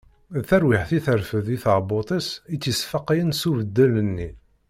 D tarwiḥt i terfed di tɛebbuṭ-is i tt-yesfaqayen s ubeddel-nni.